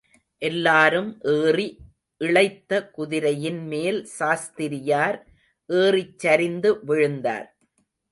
எல்லாரும் ஏறி இளைத்த குதிரையின் மேல் சாஸ்திரியார் ஏறிச்சரிந்து விழுந்தார்.